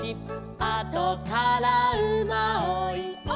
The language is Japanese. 「あとからうまおいおいついて」